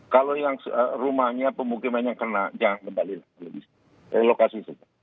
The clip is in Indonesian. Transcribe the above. kalau yang rumahnya pemukimannya kena jangan kembali lagi